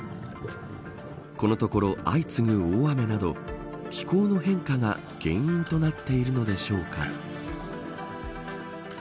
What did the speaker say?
このところ、相次ぐ大雨など気候の変化が原因となっているのでしょうか。